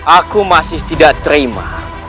aku masih tidak terima